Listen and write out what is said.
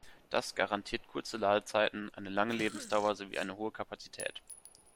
Das garantiert kurze Ladezeiten, eine lange Lebensdauer sowie eine hohe Kapazität.